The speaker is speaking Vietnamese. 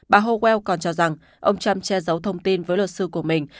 bà howell còn cho rằng ông trump che giấu thông tin với luật sư của mình